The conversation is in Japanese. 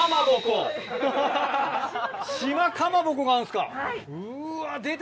うわ。